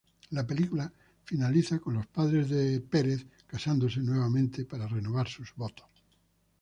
La película finaliza con los padres de Howard casándose nuevamente para renovar sus votos.